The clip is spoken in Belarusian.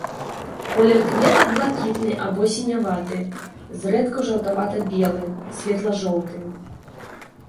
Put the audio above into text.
Колер кветак блакітны або сіняваты, зрэдку жаўтавата-белы, светла-жоўты.